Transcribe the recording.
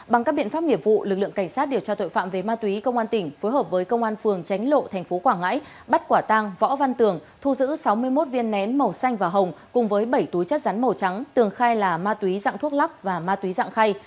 bằng các biện pháp nghiệp vụ lực lượng cảnh sát điều tra tội phạm về ma túy công an tỉnh phối hợp với công an phường tránh lộ tp quảng ngãi bắt quả tăng võ văn tường thu giữ sáu mươi một viên nén màu xanh và hồng cùng với bảy túi chất rắn màu trắng tường khai là ma túy dạng thuốc lắc và ma túy dạng khay